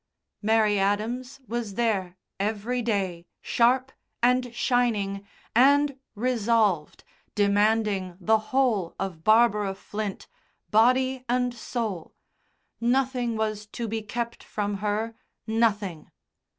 Mary Adams was there every day, sharp, and shining, and resolved, demanding the whole of Barbara Flint, body and soul nothing was to be kept from her, nothing.